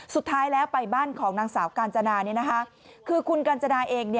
สุดท้ายแล้วไปบ้านของนางสาวกาญจนาคือคุณกัญจนาเอง